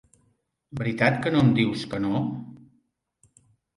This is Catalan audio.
- Veritat que no em dius que no?